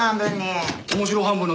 面白半分に。